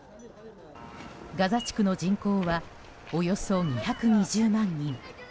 ガザ地区の人口はおよそ２２０万人。